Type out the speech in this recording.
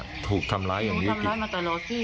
หนูทำมิดอันนี้หนูบอกอยากเข้ามันน่ะ